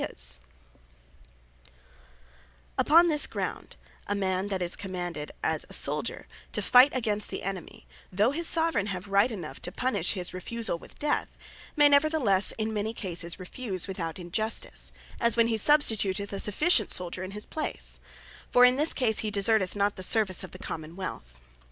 Nor To Warfare, Unless They Voluntarily Undertake It Upon this ground, a man that is commanded as a Souldier to fight against the enemy, though his Soveraign have Right enough to punish his refusall with death, may neverthelesse in many cases refuse, without Injustice; as when he substituteth a sufficient Souldier in his place: for in this case he deserteth not the service of the Common wealth.